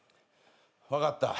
分かった。